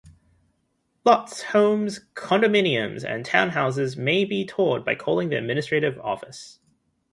Lots, homes, condominiums, and townhouses may be toured by calling the administrative office.